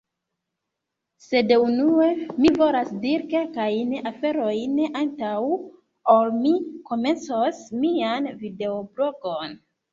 Sed unue, mi volas diri kelkajn aferojn, antaŭ ol mi komencos mian videoblogon.